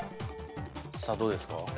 さあどうですか？